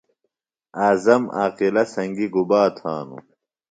اعظم عاقلہ سنگیۡ گُبا تھانوۡ ؟